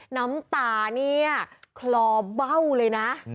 น้ำตาเนี่ยคลอเบ้าเลยนะ